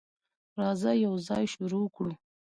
راځه، یوځای شروع کړو.